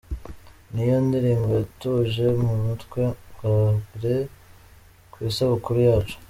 Ni yo ndirimbo yatuje mu mutwe bwa mbere ku isabukuru yacu.